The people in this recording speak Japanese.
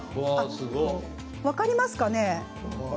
分かりますかね？